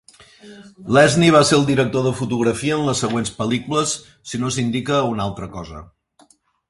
Lesnie va ser el director de fotografia en les següents pel·lícules si no s'indica una altra cosa.